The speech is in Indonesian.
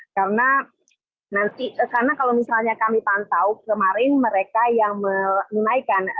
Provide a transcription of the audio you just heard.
karena nanti karena kalau misalnya kami pantau kemarin mereka yang menunaikan